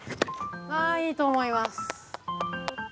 あいいと思います！